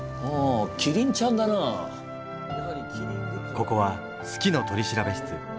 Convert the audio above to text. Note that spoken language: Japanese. ここは「好きの取調室」。